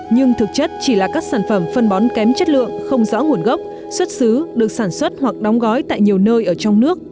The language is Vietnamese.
nhưng thực chất chỉ là các sản phẩm phân bón kém chất lượng không rõ nguồn gốc xuất xứ được sản xuất hoặc đóng gói tại nhiều nơi ở trong nước